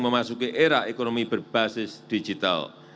memasuki era ekonomi berbasis digital